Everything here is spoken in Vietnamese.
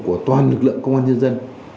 của toàn lực lượng công an nhân dân